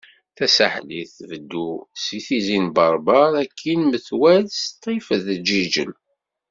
Tasaḥlit tbeddu seg Tizi n Berber akkin metwal Sṭif d Jijel.